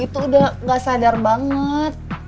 itu udah gak sadar banget